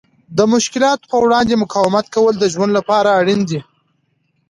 د مشکلاتو په وړاندې مقاومت کول د ژوند لپاره اړین دي.